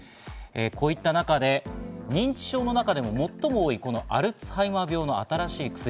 こういった中で認知症の中でも最も多いアルツハイマー病の新しい薬。